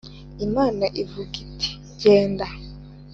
imana ivuga iti genda